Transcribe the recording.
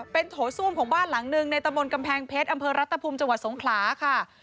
เป็นโถส้วมของบ้านหลังหนึ่งในตะบนกำแพงเพชรอำเภอรัตภูมิจังหวัดสงขลาค่ะ